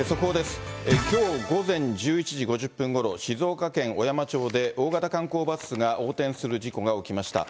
きょう午前１１時５０分ごろ、静岡県小山町で、大型観光バスが横転する事故が起きました。